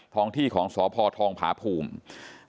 ท้องที่ของสพทองผาภูมิ